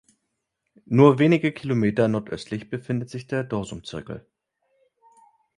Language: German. Nur wenige Kilometer nordöstlich befindet sich der Dorsum Zirkel.